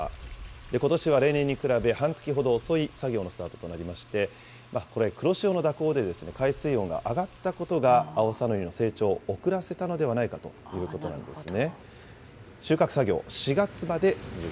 ことしは例年に比べ、半月ほど遅い作業のスタートとなりまして、これ黒潮の蛇行で海水温が上がったことが、アオサノリの成長を遅らせたのではないかということなんですね。